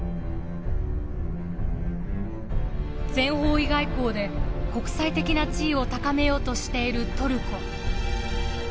全方位外交で国際的な地位を高めようとしているトルコ。